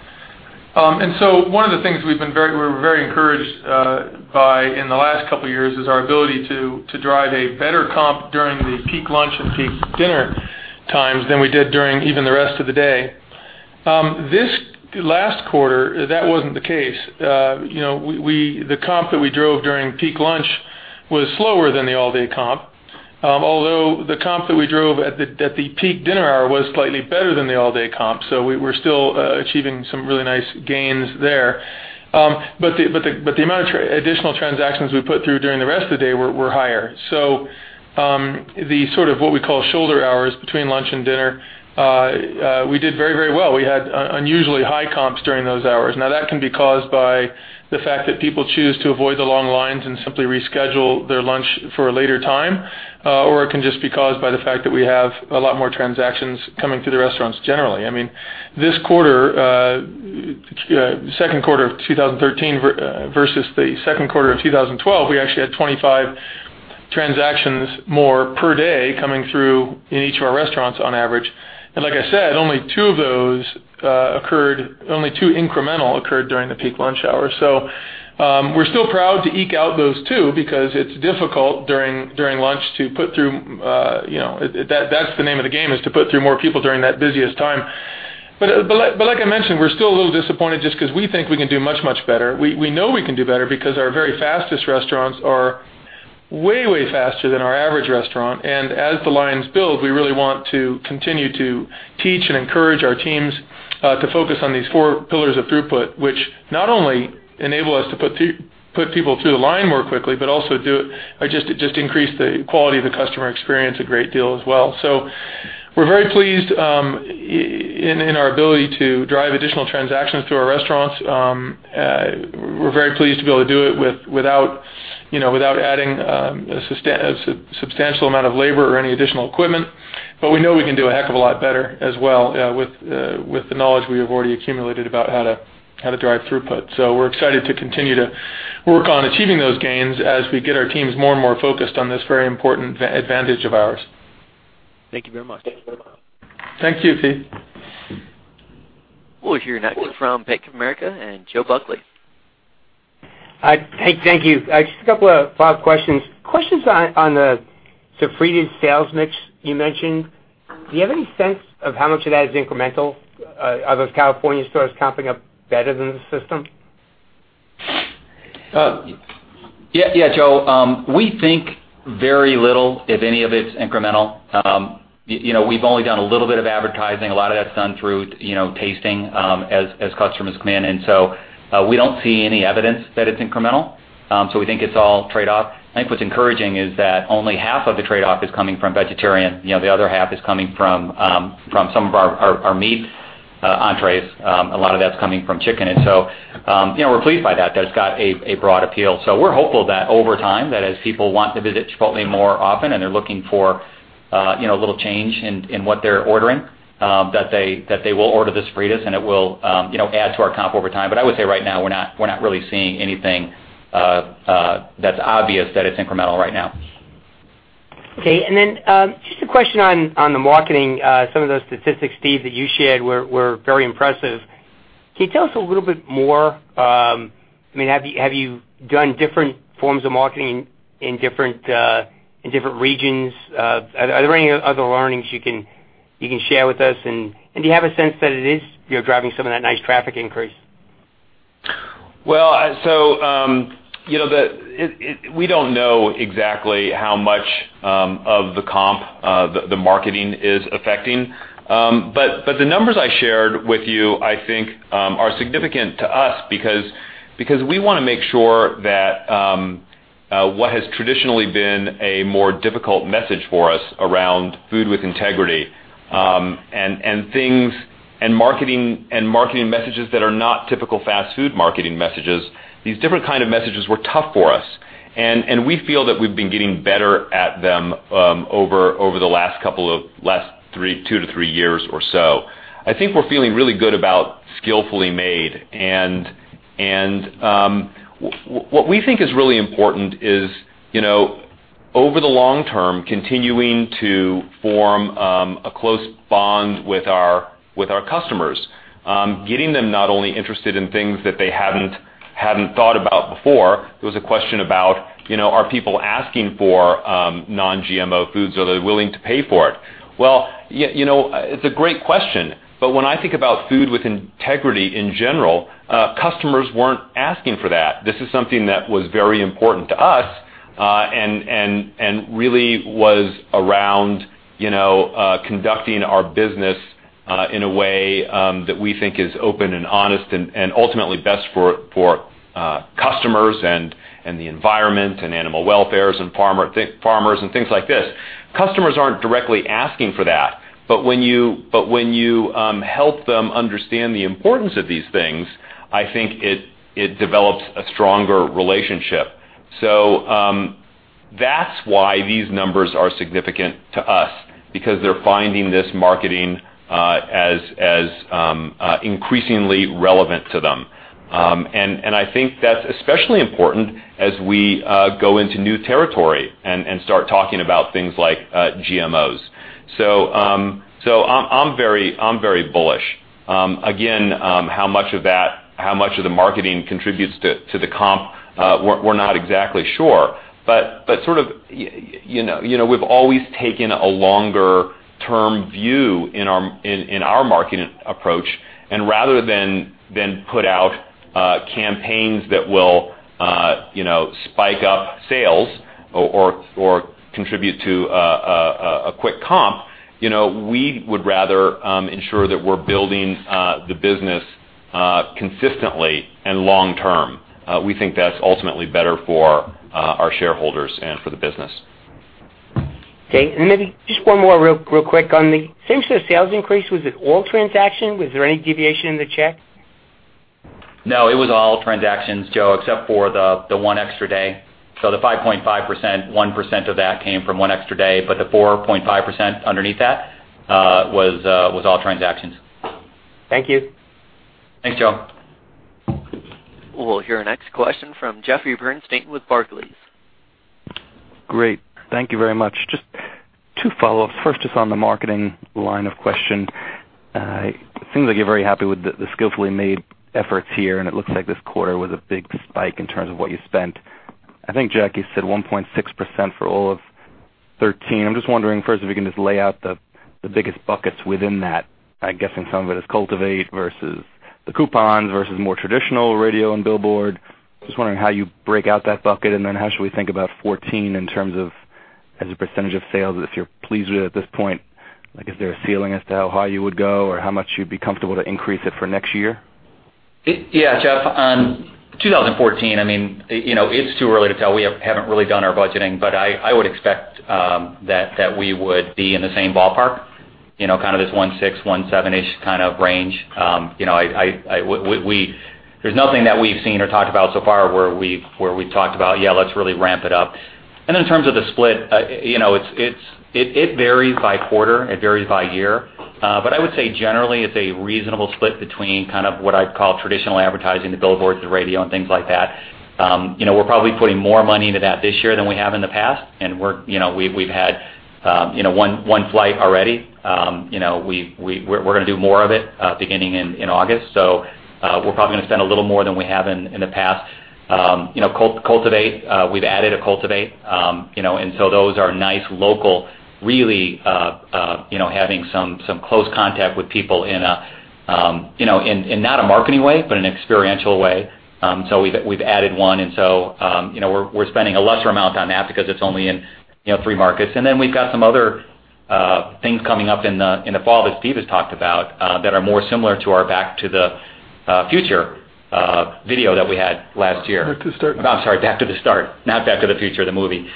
One of the things we're very encouraged by in the last couple of years is our ability to drive a better comp during the peak lunch and peak dinner times than we did during even the rest of the day. This last quarter, that wasn't the case. The comp that we drove during peak lunch was slower than the all-day comp, although the comp that we drove at the peak dinner hour was slightly better than the all-day comp. We're still achieving some really nice gains there. The amount of additional transactions we put through during the rest of the day were higher. The sort of what we call shoulder hours between lunch and dinner, we did very well. We had unusually high comps during those hours. That can be caused by the fact that people choose to avoid the long lines and simply reschedule their lunch for a later time. It can just be caused by the fact that we have a lot more transactions coming through the restaurants generally. This quarter, second quarter of 2013 versus the second quarter of 2012, we actually had 25 transactions more per day coming through in each of our restaurants on average. Like I said, only two incremental occurred during the peak lunch hour. We're still proud to eke out those two because it's difficult during lunch to put through. That's the name of the game, is to put through more people during that busiest time. Like I mentioned, we're still a little disappointed just because we think we can do much better. We know we can do better because our very fastest restaurants are way faster than our average restaurant. As the lines build, we really want to continue to teach and encourage our teams to focus on these four pillars of throughput, which not only enable us to put people through the line more quickly, but also just increase the quality of the customer experience a great deal as well. We're very pleased in our ability to drive additional transactions through our restaurants. We're very pleased to be able to do it without adding a substantial amount of labor or any additional equipment. We know we can do a heck of a lot better as well with the knowledge we have already accumulated about how to drive throughput. We're excited to continue to work on achieving those gains as we get our teams more and more focused on this very important advantage of ours. Thank you very much. Thank you, Keith. We'll hear next from Bank of America, and Joe Buckley. Hi. Thank you. Just a couple of follow-up questions. Questions on the Sofritas sales mix you mentioned. Do you have any sense of how much of that is incremental? Are those California stores comping up better than the system? Yeah, Joe. We think very little, if any of it's incremental. We've only done a little bit of advertising. A lot of that's done through tasting as customers come in. We don't see any evidence that it's incremental. We think it's all trade-off. I think what's encouraging is that only half of the trade-off is coming from vegetarian. The other half is coming from some of our meat entrees. A lot of that's coming from chicken. We're pleased by that it's got a broad appeal. We're hopeful that over time, that as people want to visit Chipotle more often and they're looking for a little change in what they're ordering, that they will order the Sofritas and it will add to our comp over time. I would say right now, we're not really seeing anything that's obvious that it's incremental right now. Okay. Just a question on the marketing. Some of those statistics, Steve, that you shared were very impressive. Can you tell us a little bit more? Have you done different forms of marketing in different regions? Are there any other learnings you can share with us, and do you have a sense that it is driving some of that nice traffic increase? We don't know exactly how much of the comp the marketing is affecting. The numbers I shared with you, I think, are significant to us because we want to make sure that what has traditionally been a more difficult message for us around Food with Integrity, and marketing messages that are not typical fast food marketing messages. These different kind of messages were tough for us, and we feel that we've been getting better at them over the last two to three years or so. I think we're feeling really good about Skillfully Made, and what we think is really important is, over the long term, continuing to form a close bond with our customers. Getting them not only interested in things that they hadn't thought about before. There was a question about, are people asking for non-GMO foods? Are they willing to pay for it? It's a great question. When I think about Food with Integrity in general, customers weren't asking for that. This is something that was very important to us, and really was around conducting our business, in a way, that we think is open and honest and ultimately best for customers and the environment and animal welfares and farmers and things like this. Customers aren't directly asking for that. When you help them understand the importance of these things, I think it develops a stronger relationship. That's why these numbers are significant to us, because they're finding this marketing as increasingly relevant to them. I think that's especially important as we go into new territory and start talking about things like GMOs. I'm very bullish. Again, how much of the marketing contributes to the comp, we're not exactly sure, but we've always taken a longer-term view in our marketing approach. Rather than put out campaigns that will spike up sales or contribute to a quick comp, we would rather ensure that we're building the business consistently and long-term. We think that's ultimately better for our shareholders and for the business. Okay, maybe just one more real quick on the same sort of sales increase. Was it all transaction? Was there any deviation in the check? No, it was all transactions, Joe, except for the one extra day. The 5.5%, 1% of that came from one extra day, the 4.5% underneath that was all transactions. Thank you. Thanks, Joe. We'll hear our next question from Jeffrey Bernstein with Barclays. Great. Thank you very much. Just two follow-ups. First, on the marketing line of questioning. It seems like you're very happy with the Skillfully Made efforts here, and it looks like this quarter was a big spike in terms of what you spent. I think Jack said 1.6% for all of 2013. I'm just wondering first if you can just lay out the biggest buckets within that. I'm guessing some of it is Cultivate versus the coupons versus more traditional radio and billboard. Just wondering how you break out that bucket. Then how should we think about 2014 in terms of as a percentage of sales, if you're pleased with it at this point, like is there a ceiling as to how high you would go or how much you'd be comfortable to increase it for next year? Yeah, Jeff. 2014, it's too early to tell. We haven't really done our budgeting, but I would expect that we would be in the same ballpark, kind of this 1.6, 1.7-ish kind of range. There's nothing that we've seen or talked about so far where we've talked about, "Yeah, let's really ramp it up." In terms of the split, it varies by quarter. It varies by year. I would say generally, it's a reasonable split between kind of what I'd call traditional advertising, the billboards, the radio and things like that. We're probably putting more money into that this year than we have in the past, and we've had One flight already. We're going to do more of it beginning in August. We're probably going to spend a little more than we have in the past. Cultivate, we've added a Cultivate. Those are nice local, really having some close contact with people in not a marketing way, but an experiential way. We've added one and so, we're spending a lesser amount on that because it's only in three markets. Then we've got some other things coming up in the fall that Steve has talked about, that are more similar to our Back to the Start video that we had last year. Back to the Start. I'm sorry. Back to the Start, not Back to the Start, the movie.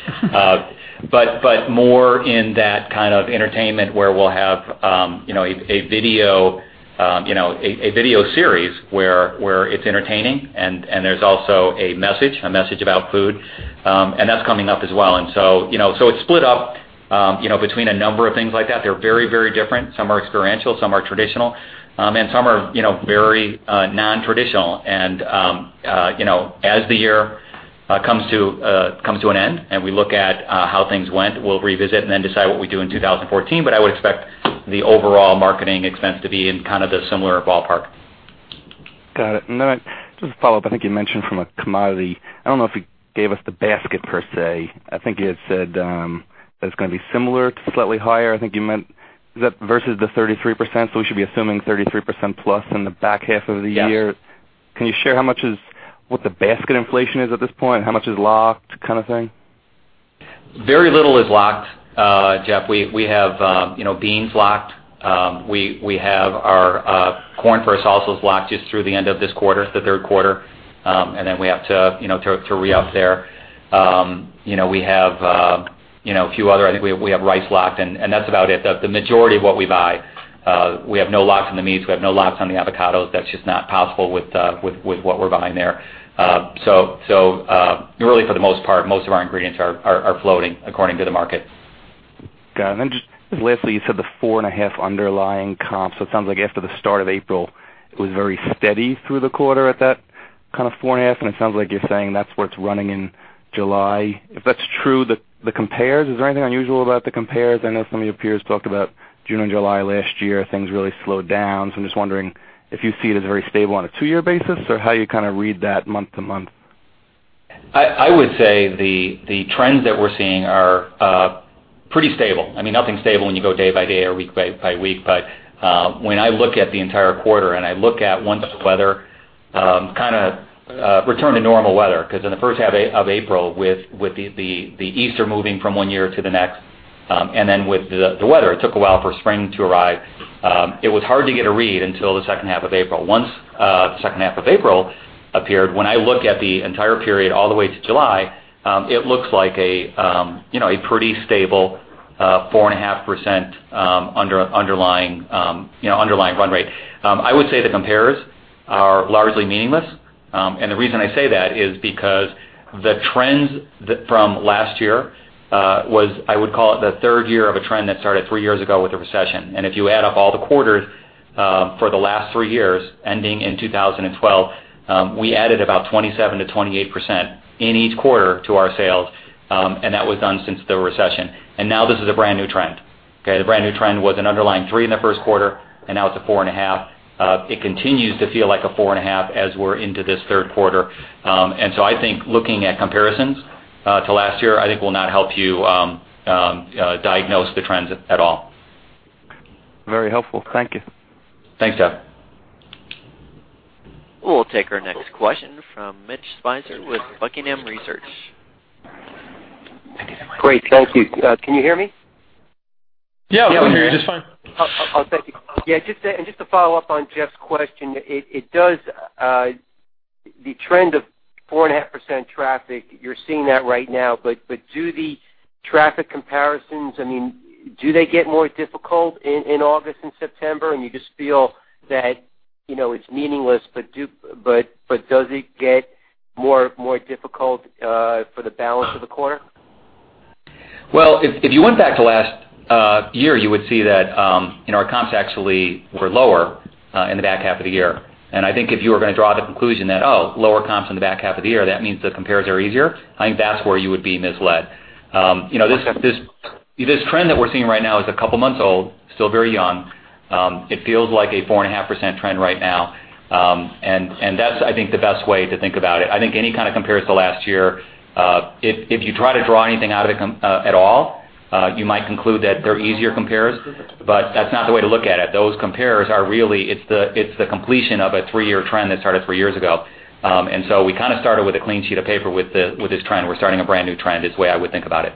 More in that kind of entertainment where we'll have a video series where it's entertaining and there's also a message, a message about food, and that's coming up as well. It's split up between a number of things like that. They're very, very different. Some are experiential, some are traditional, and some are very non-traditional. As the year comes to an end and we look at how things went, we'll revisit and then decide what we do in 2014. I would expect the overall marketing expense to be in kind of the similar ballpark. Got it. Just to follow up, I think you mentioned from a commodity, I don't know if you gave us the basket per se. I think you had said that it's going to be similar to slightly higher. I think you meant is that versus the 33%? We should be assuming 33% plus in the back half of the year. Yes. Can you share what the basket inflation is at this point? How much is locked kind of thing? Very little is locked, Jeff. We have beans locked. We have our corn for our salsas locked just through the end of this quarter, the third quarter, we have to reup there. We have a few others. I think we have rice locked and that's about it. The majority of what we buy, we have no locks on the meats, we have no locks on the avocados. That's just not possible with what we're buying there. Really for the most part, most of our ingredients are floating according to the market. Got it. Just lastly, you said the 4.5 underlying comps. It sounds like after the start of April, it was very steady through the quarter at that kind of 4.5, it sounds like you're saying that's what's running in July. If that's true, the compares, is there anything unusual about the compares? I know some of your peers talked about June and July last year, things really slowed down. I'm just wondering if you see it as very stable on a two-year basis, or how you kind of read that month-to-month. I would say the trends that we're seeing are pretty stable. Nothing's stable when you go day by day or week by week, but when I look at the entire quarter and I look at once the weather kind of returned to normal weather, because in the first half of April with the Easter moving from one year to the next, and then with the weather, it took a while for spring to arrive. It was hard to get a read until the second half of April. Once the second half of April appeared, when I look at the entire period all the way to July, it looks like a pretty stable 4.5% underlying run rate. I would say the compares are largely meaningless. The reason I say that is because the trends from last year was, I would call it the third year of a trend that started three years ago with the recession. If you add up all the quarters for the last three years ending in 2012, we added about 27%-28% in each quarter to our sales, that was done since the recession. Now this is a brand-new trend. Okay? The brand-new trend was an underlying three in the first quarter, and now it's a 4.5. It continues to feel like a 4.5 as we're into this third quarter. I think looking at comparisons to last year, I think will not help you diagnose the trends at all. Very helpful. Thank you. Thanks, Jeff. We'll take our next question from Mitch Speiser with Buckingham Research. Great. Thank you. Can you hear me? Yeah, we can hear you just fine. Thank you. Just to follow up on Jeff's question, the trend of 4.5% traffic, you're seeing that right now, but do the traffic comparisons, do they get more difficult in August and September? You just feel that it's meaningless, but does it get more difficult for the balance of the quarter? Well, if you went back to last year, you would see that our comps actually were lower in the back half of the year. I think if you were going to draw the conclusion that, oh, lower comps in the back half of the year, that means the compares are easier, I think that's where you would be misled. This trend that we're seeing right now is a couple of months old, still very young. It feels like a 4.5% trend right now, and that's I think the best way to think about it. I think any kind of comparison to last year, if you try to draw anything out of it at all, you might conclude that they're easier compares, but that's not the way to look at it. Those compares are really, it's the completion of a three-year trend that started three years ago. We kind of started with a clean sheet of paper with this trend. We're starting a brand new trend, is the way I would think about it.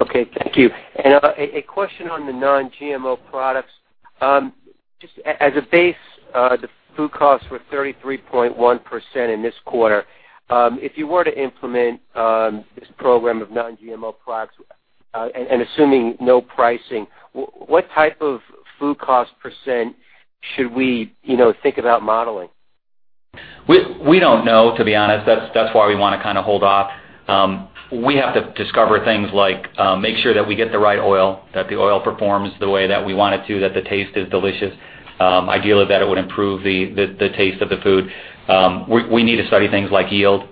Okay. Thank you. A question on the non-GMO products. Just as a base, the food costs were 33.1% in this quarter. If you were to implement this program of non-GMO products and assuming no pricing, what type of food cost % should we think about modeling? We don't know, to be honest. That's why we want to kind of hold off. We have to discover things like, make sure that we get the right oil, that the oil performs the way that we want it to, that the taste is delicious. Ideally, that it would improve the taste of the food. We need to study things like yield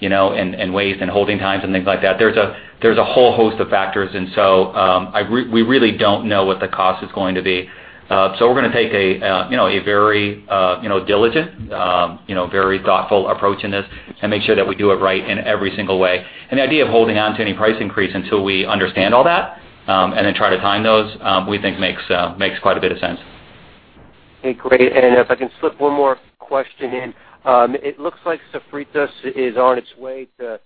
You know, waste and holding times and things like that. There's a whole host of factors, we really don't know what the cost is going to be. We're going to take a very diligent, very thoughtful approach in this and make sure that we do it right in every single way. The idea of holding onto any price increase until we understand all that, then try to time those, we think makes quite a bit of sense. Okay, great. If I can slip one more question in. It looks like Sofritas is on its way to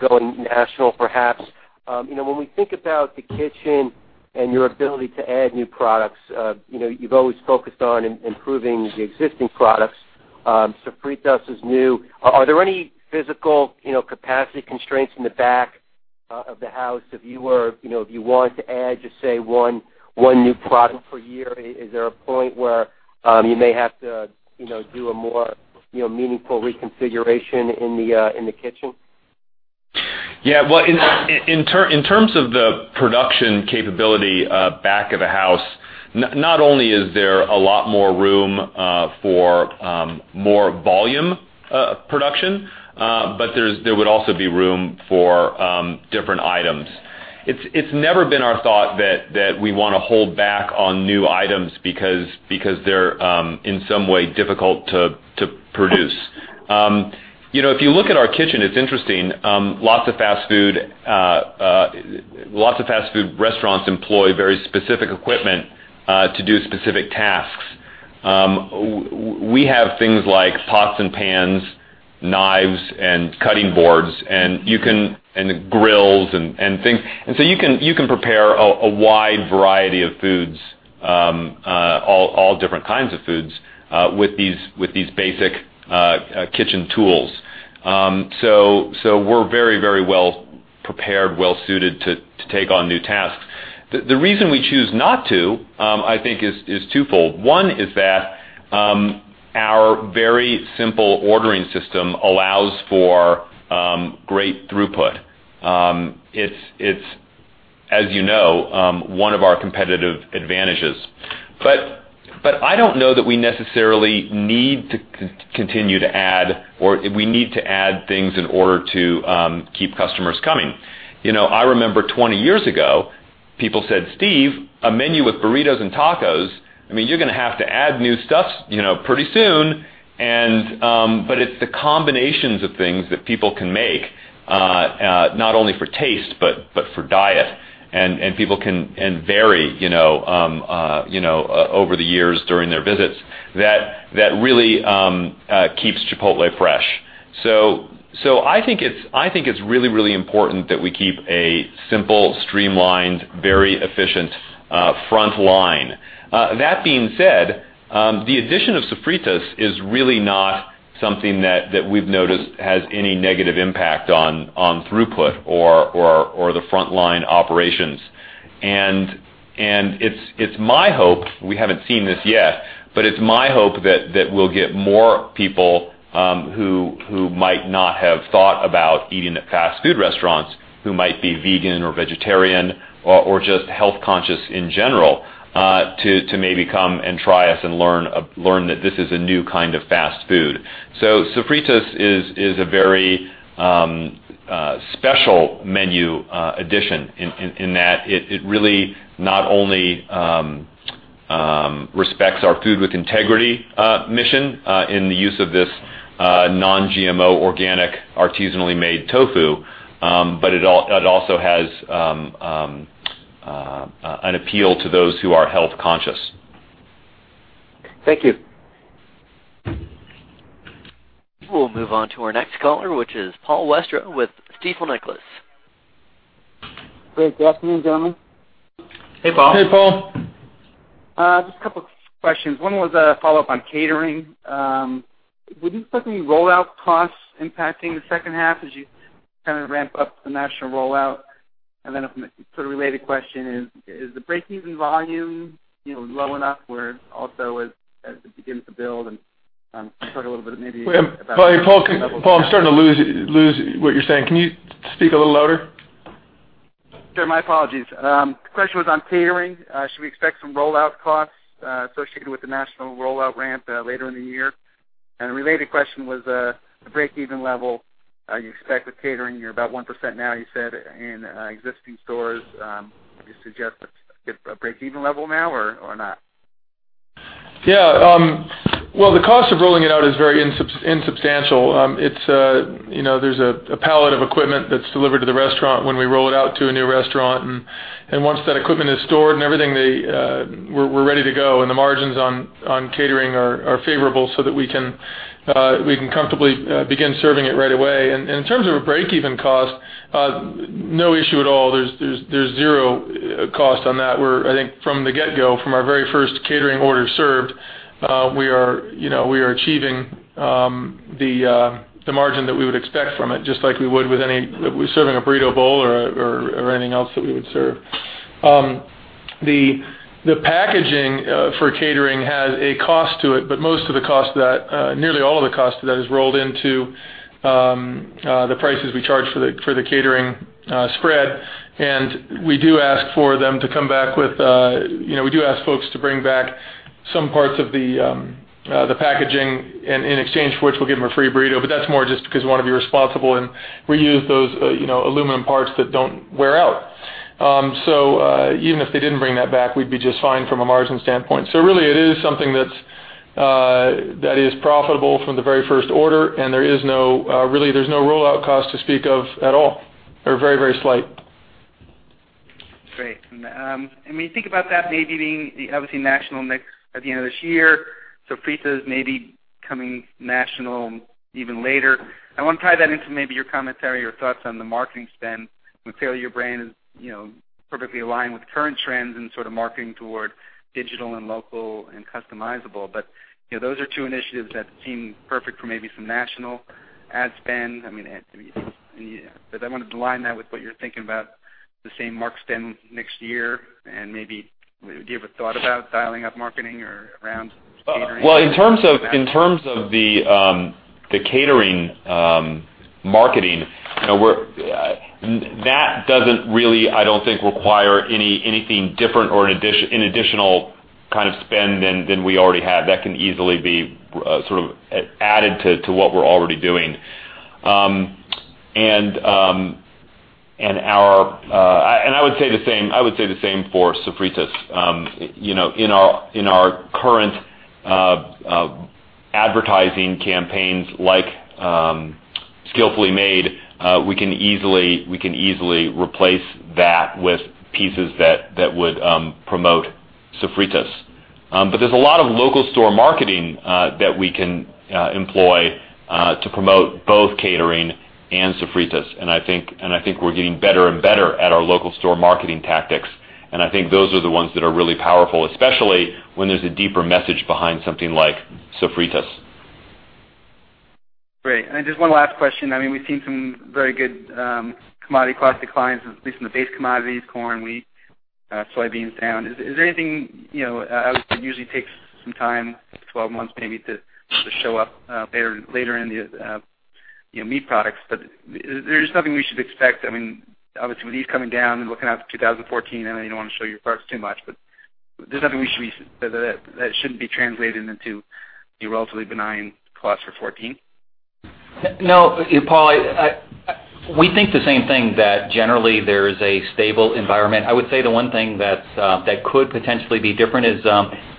going national, perhaps. When we think about the kitchen and your ability to add new products, you've always focused on improving the existing products. Sofritas is new. Are there any physical capacity constraints in the back of the house if you were to add just, say, one new product per year? Is there a point where you may have to do a more meaningful reconfiguration in the kitchen? Yeah. Well, in terms of the production capability back of the house, not only is there a lot more room for more volume production, but there would also be room for different items. It's never been our thought that we want to hold back on new items because they're in some way difficult to produce. If you look at our kitchen, it's interesting. Lots of fast food restaurants employ very specific equipment to do specific tasks. We have things like pots and pans, knives and cutting boards, and grills and things. You can prepare a wide variety of foods, all different kinds of foods, with these basic kitchen tools. We're very, very well prepared, well-suited to take on new tasks. The reason we choose not to, I think, is twofold. One is that our very simple ordering system allows for great throughput. It's, as you know, one of our competitive advantages. I don't know that we necessarily need to continue to add, or we need to add things in order to keep customers coming. I remember 20 years ago, people said, "Steve, a menu with burritos and tacos, you're going to have to add new stuff pretty soon." It's the combinations of things that people can make, not only for taste, but for diet, and people can vary over the years during their visits, that really keeps Chipotle fresh. I think it's really, really important that we keep a simple, streamlined, very efficient frontline. That being said, the addition of Sofritas is really not something that we've noticed has any negative impact on throughput or the frontline operations. It's my hope, we haven't seen this yet, but it's my hope that we'll get more people who might not have thought about eating at fast food restaurants, who might be vegan or vegetarian or just health-conscious in general, to maybe come and try us and learn that this is a new kind of fast food. Sofritas is a very special menu addition in that it really not only respects our Food with Integrity mission in the use of this non-GMO, organic, artisanally made tofu, but it also has an appeal to those who are health-conscious. Thank you. We'll move on to our next caller, which is Paul Westra with Stifel Nicolaus. Great. Good afternoon, gentlemen. Hey, Paul. Hey, Paul. Just a couple of questions. One was a follow-up on catering. Would you expect any rollout costs impacting the second half as you kind of ramp up the national rollout? Then a sort of related question is the break-even volume low enough where also as it begins to build and can you talk a little bit maybe about? Wait, Paul, I'm starting to lose what you're saying. Can you speak a little louder? Sure, my apologies. The question was on catering. Should we expect some rollout costs associated with the national rollout ramp later in the year? The related question was the break-even level you expect with catering. You're about 1% now you said, in existing stores. Would you suggest a break-even level now or not? Yeah. Well, the cost of rolling it out is very insubstantial. There's a pallet of equipment that's delivered to the restaurant when we roll it out to a new restaurant, once that equipment is stored and everything, we're ready to go. The margins on catering are favorable so that we can comfortably begin serving it right away. In terms of a break-even cost, no issue at all. There's zero cost on that. I think from the get-go, from our very first catering order served, we are achieving the margin that we would expect from it, just like we would with any serving a burrito bowl or anything else that we would serve. The packaging for catering has a cost to it, but most of the cost of that, nearly all of the cost of that, is rolled into the prices we charge for the catering spread. We do ask folks to bring back Some parts of the packaging and in exchange for which we'll give them a free burrito. That's more just because we want to be responsible and reuse those aluminum parts that don't wear out. Even if they didn't bring that back, we'd be just fine from a margin standpoint. Really, it is something that is profitable from the very first order, and really, there's no rollout cost to speak of at all, or very slight. Great. When you think about that maybe being obviously national at the end of this year, Sofritas maybe coming national even later, I want to tie that into maybe your commentary or thoughts on the marketing spend. Would say your brand is perfectly aligned with current trends and sort of marketing toward digital and local and customizable. Those are two initiatives that seem perfect for maybe some national ad spend. I wanted to line that with what you're thinking about the same marketing spend next year and maybe give a thought about dialing up marketing or around catering. Well, in terms of the catering marketing, that doesn't really, I don't think, require anything different or an additional kind of spend than we already have. That can easily be sort of added to what we're already doing. I would say the same for Sofritas. In our current advertising campaigns like Skillfully Made, we can easily replace that with pieces that would promote Sofritas. There's a lot of local store marketing that we can employ to promote both catering and Sofritas. I think we're getting better and better at our local store marketing tactics. I think those are the ones that are really powerful, especially when there's a deeper message behind something like Sofritas. Great. Just one last question. We've seen some very good commodity cost declines, at least in the base commodities, corn, wheat, soybeans down. Obviously, it usually takes some time, 12 months maybe to show up later in the meat products. There's nothing we should expect, obviously with these coming down and looking out to 2014, I know you don't want to show your cards too much, there's nothing that shouldn't be translated into the relatively benign cost for 2014? No, Paul, we think the same thing, that generally there is a stable environment. I would say the one thing that could potentially be different is,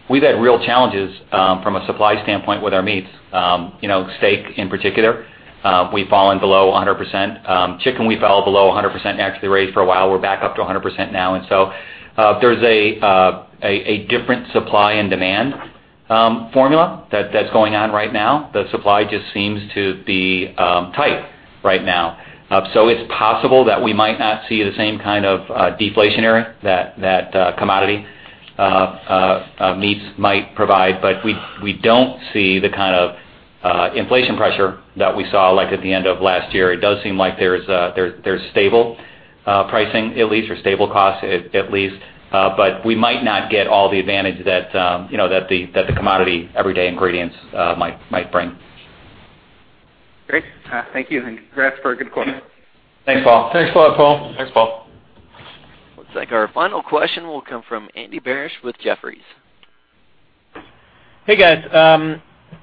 we've had real challenges from a supply standpoint with our meats. Steak in particular, we've fallen below 100%. Chicken, we fell below 100% and actually raised for a while. We're back up to 100% now. There's a different supply and demand formula that's going on right now. The supply just seems to be tight right now. It's possible that we might not see the same kind of deflationary that commodity meats might provide. We don't see the kind of inflation pressure that we saw, like at the end of last year. It does seem like there's stable pricing, at least, or stable costs, at least. We might not get all the advantage that the commodity everyday ingredients might bring. Great. Thank you, congrats for a good quarter. Thanks, Paul. Thanks a lot, Paul. Thanks, Paul. Looks like our final question will come from Andy Barish with Jefferies. Hey, guys.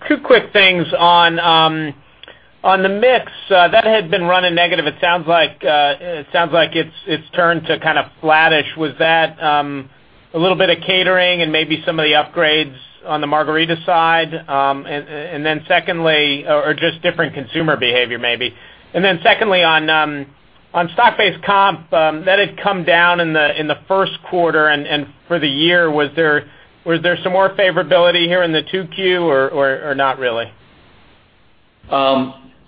Two quick things. On the mix, that had been running negative, it sounds like it's turned to kind of flattish. Was that a little bit of catering and maybe some of the upgrades on the margarita side? Or just different consumer behavior, maybe. Secondly, on stock-based comp, that had come down in the first quarter and for the year. Was there some more favorability here in the 2Q or not really?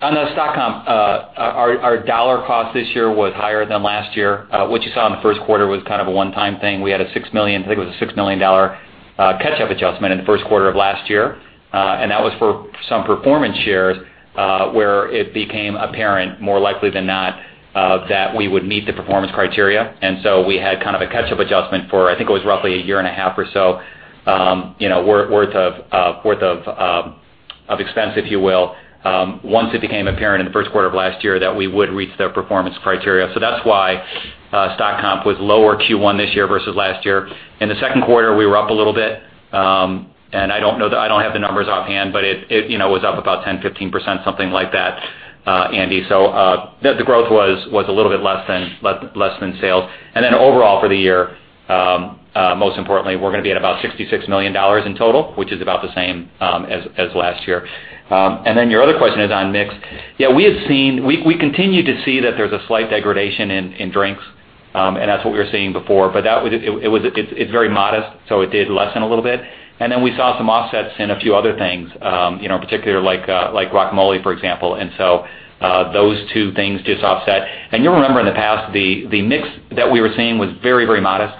On the stock comp, our dollar cost this year was higher than last year. What you saw in the first quarter was kind of a one-time thing. We had, I think it was a $6 million catch-up adjustment in the first quarter of last year. That was for some performance shares, where it became apparent, more likely than not, that we would meet the performance criteria. We had kind of a catch-up adjustment for, I think it was roughly a year and a half or so worth of expense, if you will, once it became apparent in the first quarter of last year that we would reach their performance criteria. That's why stock comp was lower Q1 this year versus last year. In the second quarter, we were up a little bit. I don't have the numbers offhand, but it was up about 10, 15%, something like that, Andy. The growth was a little bit less than sales. Overall for the year, most importantly, we're going to be at about $66 million in total, which is about the same as last year. Your other question is on mix. Yeah, we continue to see that there's a slight degradation in drinks. That's what we were seeing before. It's very modest, so it did lessen a little bit. We saw some offsets in a few other things, in particular like guacamole, for example. Those two things just offset. You'll remember in the past, the mix that we were seeing was very modest.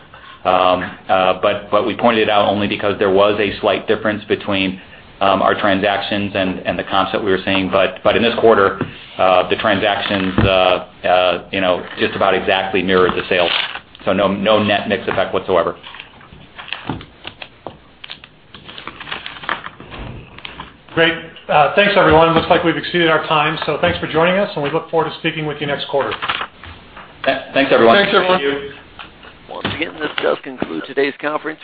We pointed it out only because there was a slight difference between our transactions and the comps that we were seeing. In this quarter, the transactions just about exactly mirrored the sales. No net mix effect whatsoever. Great. Thanks, everyone. Looks like we've exceeded our time. Thanks for joining us, and we look forward to speaking with you next quarter. Thanks, everyone. Thanks, everyone. Thank you. Once again, this does conclude today's conference.